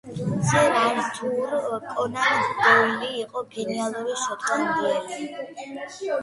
სერ ართურ კონან დოილი იყო გენიალური შოტლანდიელი